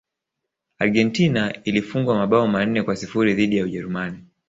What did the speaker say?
argentina ilifungwa mabao manne kwa sifuri dhidi ya ujerumani